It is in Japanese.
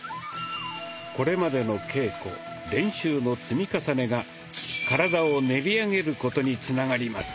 これまでの稽古練習の積み重ねが体を練り上げることにつながります。